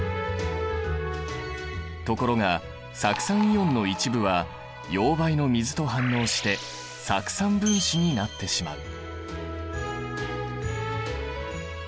ところが酢酸イオンの一部は溶媒の水と反応して酢酸分子になってしまう。